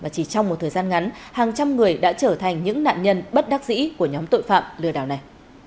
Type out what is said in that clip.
chỉ trong một thời gian ngắn hàng trăm người đã trở thành những nạn nhân bất đắc dĩ của nhóm tội phạm lừa đảo này